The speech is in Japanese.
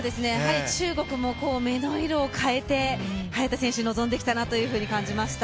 中国も目の色を変えて、早田選手に臨んできたなと感じました。